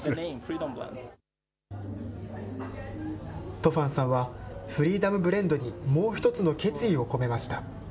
トファンさんは、フリーダムブレンドにもう１つの決意を込めました。